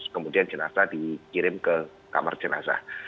kemudian jenazah dikirim ke kamar jenazah